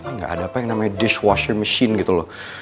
ini gak ada apa yang namanya dishwasher machine gitu loh